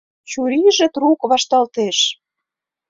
Чурийже трук вашталтеш.